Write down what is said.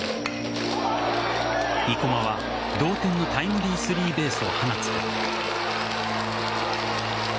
生駒は同点のタイムリースリーベースを放つと。